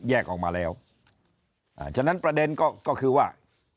ออกมาแล้วอ่าฉะนั้นประเด็นก็คือว่า